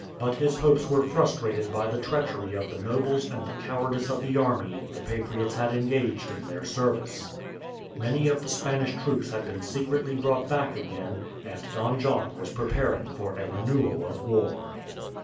But his hopes were frustrated by the treachery of the nobles and the cowardice of the army the patriots had engaged in their service. Many of the Spanish troops had been secretly brought back again, and Don John was preparing for a renewal of war.